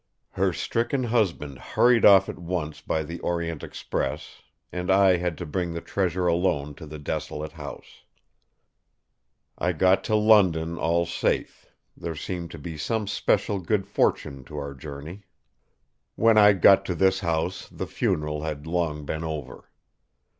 "Her stricken husband hurried off at once by the Orient Express; and I had to bring the treasure alone to the desolate house. I got to London all safe; there seemed to be some special good fortune to our journey. When I got to this house, the funeral had long been over.